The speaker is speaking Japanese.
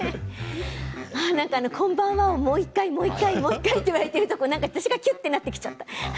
こんばんはを、もう１回もう１回と言われるところ私はきゅっとなっちゃった。